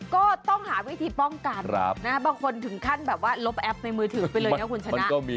ก็ต้องหาวิธีป้องกันบางคนถึงขั้นแบบว่าลบแอปในมือถือไปเลยนะคุณชนะ